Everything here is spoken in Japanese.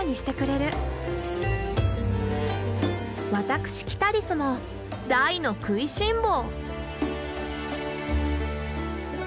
私キタリスも大の食いしん坊！